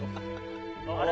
あれ？